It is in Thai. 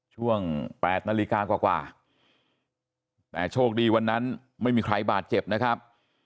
ช่วง๘นาฬิกากว่าแต่โชคดีวันนั้นไม่มีใครบาดเจ็บนะครับ